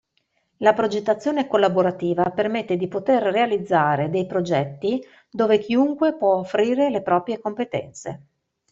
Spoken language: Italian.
La progettazione collaborativa permette di poter realizzare dei progetti dove chiunque può offrire le proprie competenze.